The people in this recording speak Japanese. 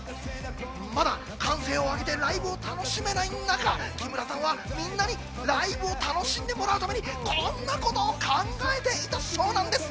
まだ歓声を上げてライブを楽しめない中、木村さんは、みんなにライブを楽しんでもらうためにこんなことを考えていたそうなんです。